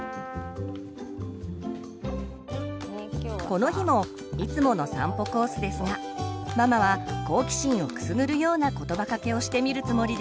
この日もいつもの散歩コースですがママは好奇心をくすぐるような言葉掛けをしてみるつもりです。